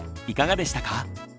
いかがでしたか？